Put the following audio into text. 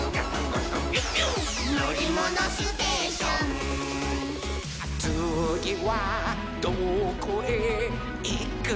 「のりものステーション」「つぎはどこへいくのかなほら」